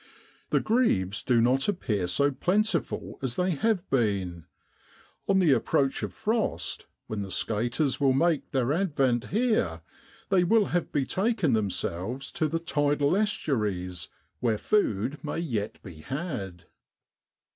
The grebes do not appear so plentiful as they have been: on the approach of frost, when the skaters will make their advent here, they will have betaken themselves to the tidal estuaries, where food may yet be had.